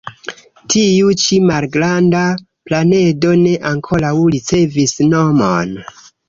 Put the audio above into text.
Tiu-ĉi malgranda planedo ne ankoraŭ ricevis nomon.